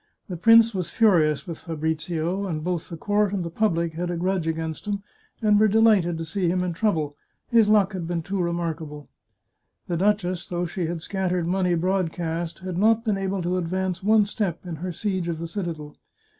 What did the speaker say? The prince was furious with Fabrizio ; and both the court and the public had a grudge against him, and were delighted to see him in trouble — his luck had been too remarkable. The duchess, though she had scattered money broadcast, had not been able to advance one step in her siege of the citadel.